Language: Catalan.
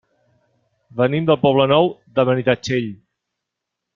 Venim del Poble Nou de Benitatxell.